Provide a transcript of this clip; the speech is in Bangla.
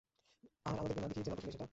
আর আমাদেরকে না দেখিয়েই যে নাটক করলে, সেটা?